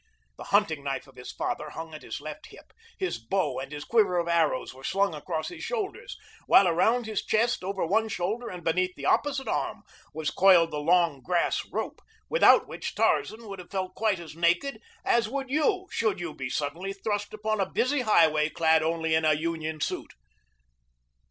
The hunting knife of his father hung at his left hip, his bow and his quiver of arrows were slung across his shoulders, while around his chest over one shoulder and beneath the opposite arm was coiled the long grass rope without which Tarzan would have felt quite as naked as would you should you be suddenly thrust upon a busy highway clad only in a union suit.